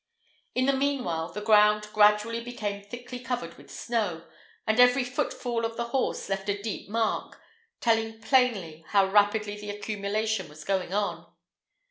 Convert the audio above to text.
In the meanwhile, the ground gradually became thickly covered with snow, and every footfall of the horse left a deep mark, telling plainly how rapidly the accumulation was going on.